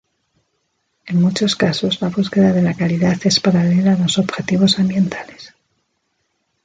En muchos casos la búsqueda de la calidad es paralela a los objetivos ambientales.